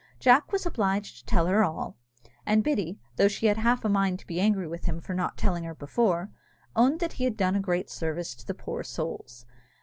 Jack was obliged to tell her all, and Biddy, though she had half a mind to be angry with him for not telling her before, owned that he had done a great service to the poor souls.